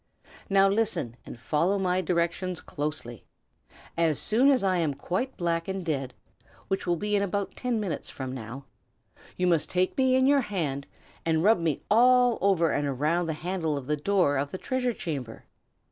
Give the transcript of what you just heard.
Now listen, and follow my directions closely. As soon as I am quite black and dead, which will be in about ten minutes from now, you must take me in your hand and rub me all over and around the handle of the door of the treasure chamber.